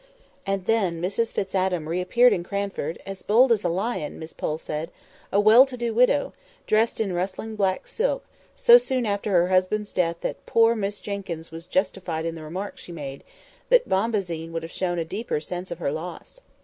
And then Mrs Fitz Adam reappeared in Cranford ("as bold as a lion," Miss Pole said), a well to do widow, dressed in rustling black silk, so soon after her husband's death that poor Miss Jenkyns was justified in the remark she made, that "bombazine would have shown a deeper sense of her loss."